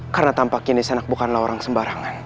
karena tampaknya nisanak bukanlah orang sembarangan